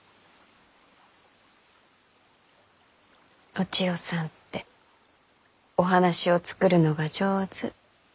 お千代さんってお話を作るのが上手。